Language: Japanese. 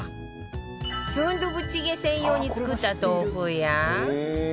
スンドゥブチゲ専用に作った豆腐や